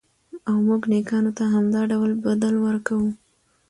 او موږ نېکانو ته همدا ډول بدل ورکوو.